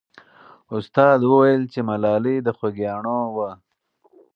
استاد وویل چې ملالۍ د خوګیاڼیو وه.